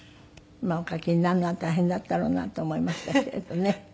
まあお書きになるのは大変だったろうなと思いましたけれどね。